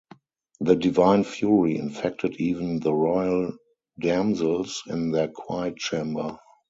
The divine fury infected even the royal damsels in their quiet chamber.